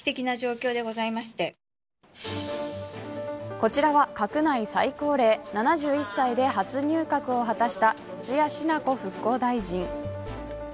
こちらは閣内最高齢７１歳で初入閣を果たした土屋品子復興大臣。